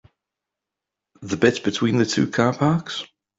The bit between the two car parks?